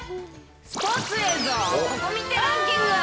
スポーツ映像ココ見てランキング。